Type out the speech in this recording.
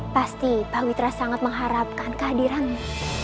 pasti pak witra sangat mengharapkan kehadiranmu